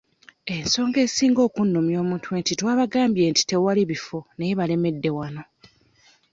Ensonga esinga okunnumya omutwe nti twabagambye twewali bifo naye balemedde wano.